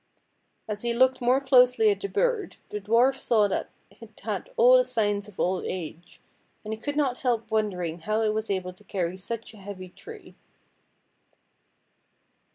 As he looked more closely at the bird the dwarf saw that it had all the signs of old age, and he could not help won dering how it was able to carry such a heavy tree.